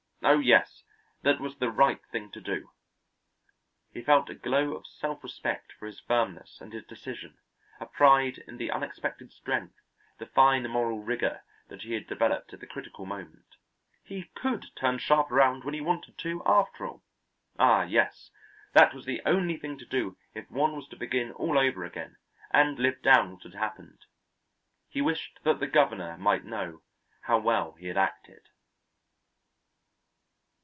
Oh, yes, that was the right thing to do!" He felt a glow of self respect for his firmness and his decision, a pride in the unexpected strength, the fine moral rigour that he had developed at the critical moment. He could turn sharp around when he wanted to, after all. Ah, yes, that was the only thing to do if one was to begin all over again and live down what had happened. He wished that the governor might know how well he had acted.